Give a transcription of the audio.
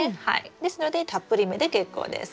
ですのでたっぷりめで結構です。